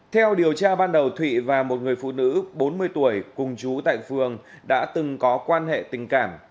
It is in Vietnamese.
theo điều tra ban đầu thụy và một người phụ nữ bốn mươi tuổi cùng chú tại phường đã từng có quan hệ tình cảm